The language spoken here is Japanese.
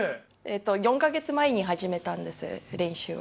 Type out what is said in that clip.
４か月前に始めたんです、練習を。